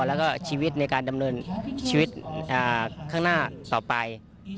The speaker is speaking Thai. แล้วก็ชีวิตในการดำเนินชีวิตข้างหน้าต่อไป